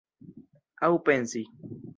Aŭ pensi.